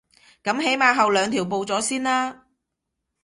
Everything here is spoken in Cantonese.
噉起碼後兩條報咗先啦